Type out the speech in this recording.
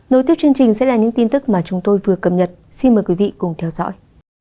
nối tiếp chương trình sẽ là những tin tức mà chúng tôi vừa cập nhật xin mời quý vị cùng theo dõi